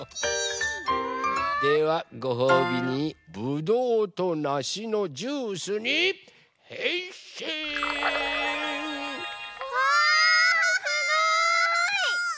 ではごほうびにぶどうとなしのジュースにへんしん！わすごい！